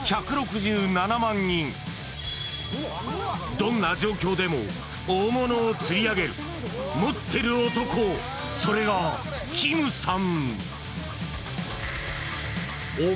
どんな状況でも大物を釣り上げる持ってる男、それがきむさん。